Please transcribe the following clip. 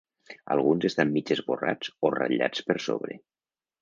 Alguns estan mig esborrats o ratllats per sobre.